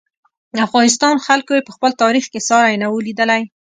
افغانستان خلکو یې په خپل تاریخ کې ساری نه و لیدلی.